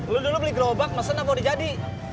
lo dulu beli gerobak mesen apa udah jadi